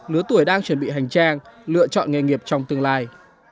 lứa tuổi đang chuẩn bị hành trang lựa chọn nghề nghiệp trong tương lai